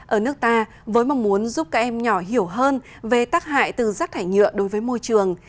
ở nước ta với mong muốn giúp các em nhỏ hiểu hơn về tác hại từ rác thải nhựa đối với môi trường